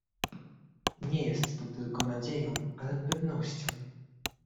"nie jest to tylko nadzieją, ale pewnością."